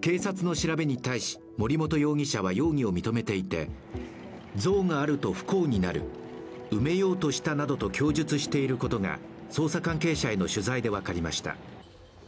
警察の調べに対し、森本容疑者は容疑を認めていて像があると不幸になる、埋めようとしたなどと供述していることが捜査関係者への取材で分かりました。